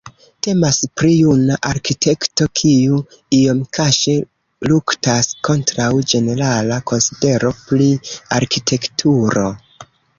Temas pri juna arkitekto kiu iom kaŝe luktas kontraŭ ĝenerala konsidero pri arkitekturo.